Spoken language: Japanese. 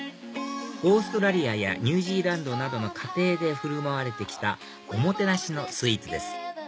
オーストラリアやニュージーランドなどの家庭で振る舞われて来たおもてなしのスイーツです